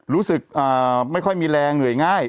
รู้สึกไม่ค่อยมีแรงเหนื่อยง่าย